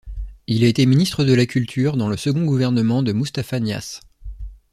Il a été ministre de la Culture dans le second gouvernement de Moustapha Niasse.